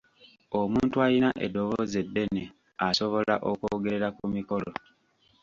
Omuntu ayina eddoboozi eddene asobola okwogerera ku mikolo.